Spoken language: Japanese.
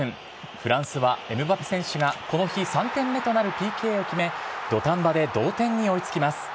フランスはエムバペ選手が、この日３点目となるＰＫを決め、土壇場で同点に追いつきます。